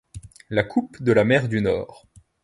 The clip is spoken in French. La coupe de la mer du Nord.